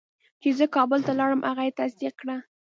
چې زه کابل ته لاړم هغه یې تصدیق کړه.